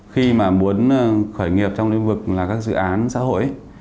khi mà muốn khởi nghiệp trong lĩnh vực là các dự án xã hội